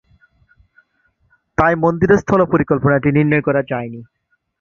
তাই মন্দিরের স্থল পরিকল্পনাটি নির্ণয় করা যায়নি।